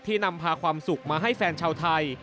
นำพาความสุขมาให้แฟนชาวไทย